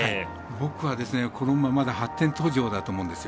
僕はこの馬まだ発展途上だと思うんですよ。